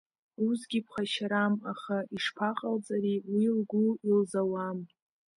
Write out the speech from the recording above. Усгьы ԥхашьарам, аха ишԥаҟалҵари, уи лгәы илзаруам!